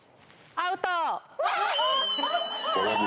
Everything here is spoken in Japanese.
アウト。